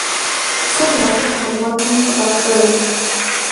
Сэр нэхъыфI умыгъуэтым, сыкъэшэж.